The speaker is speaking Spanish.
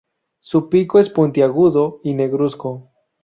Su pico es puntiagudo y negruzco.